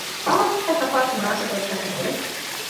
ފާހަގަކުރާ ތަފާތު މުނާސަބަތުތަކެއް ހުރޭ